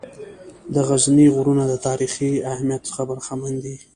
د غزني غرونه د تاریخي اهمیّت څخه برخمن دي.